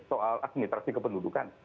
soal administrasi kependudukan